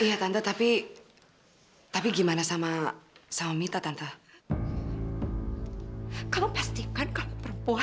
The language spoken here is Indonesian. ada yang harus bapak sampaikan ke ibu